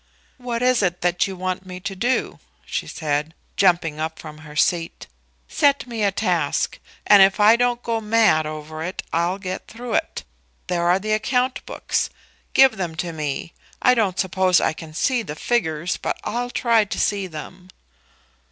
"What is it that you want me to do?" she said, jumping up from her seat. "Set me a task, and if I don't go mad over it, I'll get through it. There are the account books. Give them to me. I don't suppose I can see the figures, but I'll try to see them."